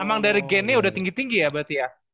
emang dari gennya udah tinggi tinggi ya berarti ya